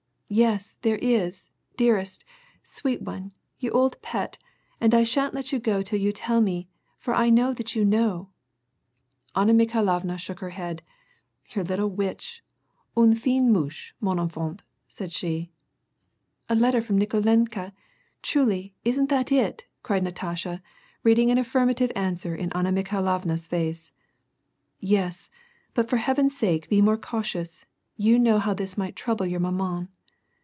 '* Yes, there is, dearest, sweet one, you old pet,t and I shan't let you go till you tell me, for I know that you know." Anna Mikhailovna shook her head :'< You're a little witch ^unejine mauchey man enfant !^^ said she. "A letter from Nikolenka? Truly, isn't that it?" cried l^atasha, reading an affirmative answer in Anna Mikhailovna's &ce. ''Yes, but for heaven's sake be more cautious; you know how this might trouble your rnaman.